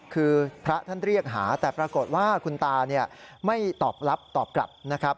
คือพระท่านเรียกหาแต่ปรากฏว่าคุณตาไม่ตอบรับตอบกลับนะครับ